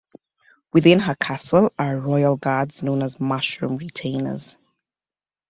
Within her castle are Royal Guards known as mushroom retainers.